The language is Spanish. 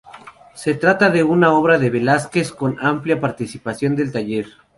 Se trata de una obra de Velázquez con amplia participación del taller.